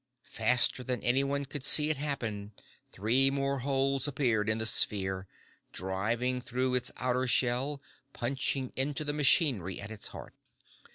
Faster than anyone could see it happen, three more holes appeared in the sphere, driving through its outer shell, punching into the machinery at its heart.